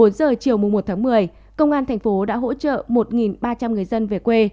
một mươi bốn h chiều một một mươi công an thành phố đã hỗ trợ một ba trăm linh người dân về quê